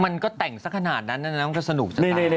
มันก็แต่งสักขนาดนั้นมันก็สนุกสักขนาดนั้น